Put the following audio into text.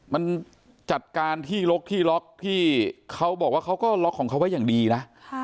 มันจัดการที่ล็อกที่ล็อกที่เขาบอกว่าเขาก็ล็อกของเขาไว้อย่างดีนะ